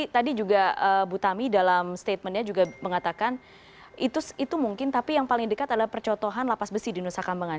tadi juga bu tami dalam statementnya juga mengatakan itu mungkin tapi yang paling dekat adalah percontohan lapas besi di nusa kambangan